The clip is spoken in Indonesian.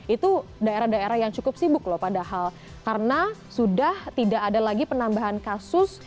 itu daerah daerah yang cukup sibuk loh padahal karena sudah tidak ada lagi penambahan kasus